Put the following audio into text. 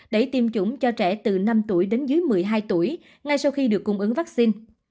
để tiêm chủng cho trẻ từ năm tuổi đến dưới một mươi hai tuổi ngay sau khi được cung ứng vaccine